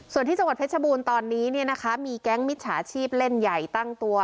ส่วนที่จังหวัดเพชรบูรณ์ตอนนี้เนี่ยนะคะมีแก๊งมิจฉาชีพเล่นใหญ่ตั้งตัว